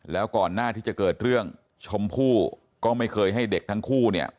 แล้วก่อนหน้าที่จะเกิดเรื่องชมพู่ก็ไม่เคยให้เด็กทั้งคู่เนี่ย